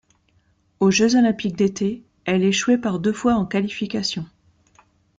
Aux Jeux olympiques d'été, elle échouait par deux fois en qualifications.